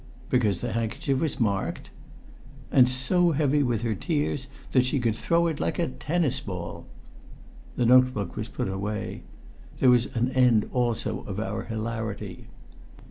'" "Because the handkerchief was marked?" "And so heavy with her tears that she could throw it like a tennis ball!" The note book was put away. There was an end also of our hilarity.